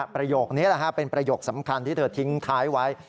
ประโยคนี้เป็นประโยคสำคัญที่เธอทิ้งท้ายไว้